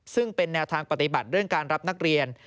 ซึ่งเป็นแนวทางปฏิบัติเรื่องการรับนักเรียน